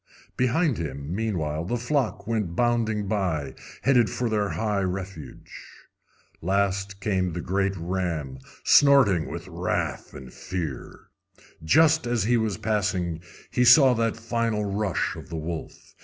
Behind him, meanwhile, the flock went bounding by, headed for their high refuge. Last came the great ram, snorting with wrath and fear. Just as he was passing he saw that final rush of the wolf.